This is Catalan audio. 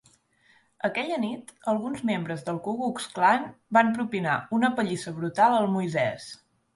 Aquella nit, alguns membres del Ku Klux Klan van propinar una pallissa brutal al Moisès.